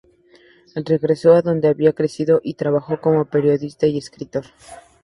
Regresó a donde había crecido y trabajó como periodista y escritor.